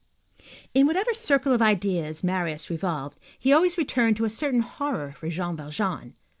In whatever circle of ideas Marius revolved, he always returned to a certain horror for Jean Valjean.